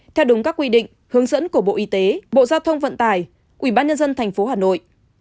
theo đúng các quy định hướng dẫn của bộ y tế bộ giao thông vận tải ubnd tp hà nội